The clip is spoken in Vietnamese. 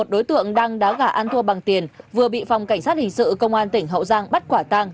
một mươi một đối tượng đăng đá gà ăn thua bằng tiền vừa bị phòng cảnh sát hình sự công an tỉnh hậu giang bắt quả tăng